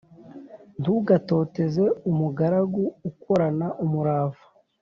Ntugatoteze umugaragu ukorana umurava,